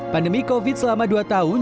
pandemi covid selama dua tahun